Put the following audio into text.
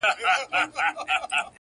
• د سیالانو په ټولۍ کي یې تول سپک سي,